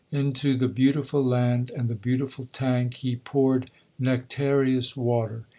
Into the beautiful land and the beautiful tank He poured nectareous water.